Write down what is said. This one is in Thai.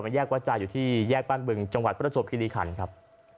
มันแยกวัดใจอยู่ที่แยกบ้านเบืองจังหวัดพระทศพฯคิริขันต์ครับ